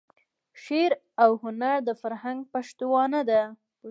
شعر او هنر د فرهنګ پشتوانه ده.